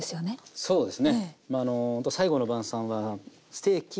そうですね。